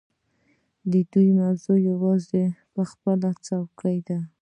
د دوی موخه یوازې خپله څوکۍ ده.